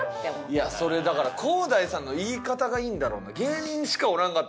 いやそれだからｋｏ−ｄａｉさんの言い方がいいんだろうな。